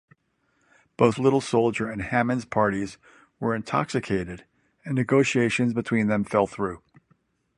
Both Little Soldier and Hammond's parties were intoxicated and negotiations between them fell through.